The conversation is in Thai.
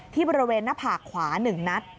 ที่บริเวณหน้าผากขวา๑นัด